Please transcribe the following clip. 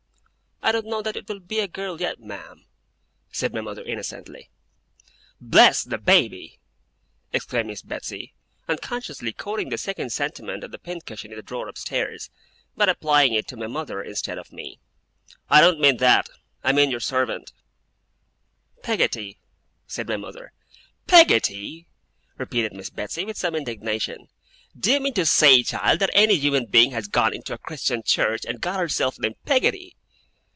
'I don't know that it will be a girl, yet, ma'am,' said my mother innocently. 'Bless the Baby!' exclaimed Miss Betsey, unconsciously quoting the second sentiment of the pincushion in the drawer upstairs, but applying it to my mother instead of me, 'I don't mean that. I mean your servant girl.' 'Peggotty,' said my mother. 'Peggotty!' repeated Miss Betsey, with some indignation. 'Do you mean to say, child, that any human being has gone into a Christian church, and got herself named Peggotty?